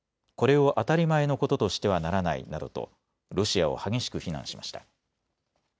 これを当たり前のこととしてはならないなどとロシアを激しく非難しました。